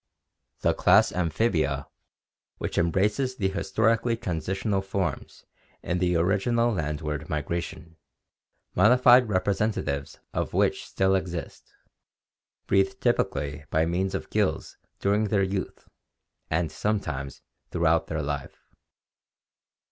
The class Amphibia, which embraces the historically transitional forms in the original landward migration, modified representatives of which still exist, breathe typically by means of gills during their youth, and sometimes throughout their life.